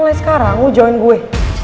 mulai sekarang mau join gue